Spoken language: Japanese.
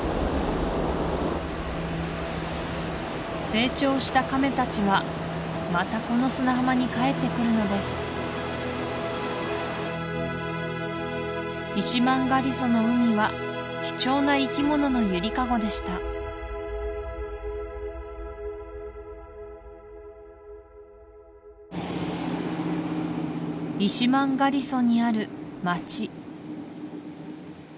成長したカメたちはまたこの砂浜に帰ってくるのですイシマンガリソの海は貴重な生き物のゆりかごでしたイシマンガリソにある街